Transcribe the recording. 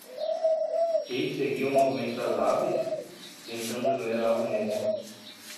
Ele seguiu o movimento das aves? tentando ler algo nele.